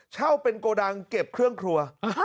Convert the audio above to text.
เช่าเป็นโกดังเก็บเครื่องครัว